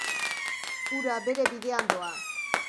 Ura bere bidean doa.